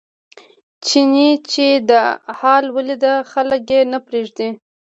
چیني چې دا حال ولیده خلک یې نه پرېږدي.